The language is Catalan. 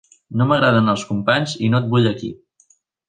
No m'agraden els companys i no et vull aquí.